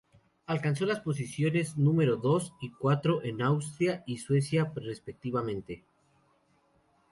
Alcanzó las posiciones número dos y cuatro en Austria y Suecia, respectivamente.